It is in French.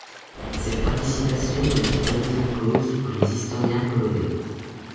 Cette participation a été remise en cause par les historiens polonais.